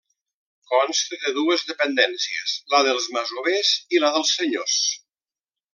Consta de dues dependències, la dels masovers i la dels senyors.